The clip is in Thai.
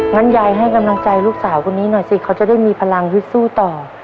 งั้นยายให้กำลังใจลูกสาวคนนี้หน่อยสิเขาจะได้มีพลังฮึดสู้ต่อ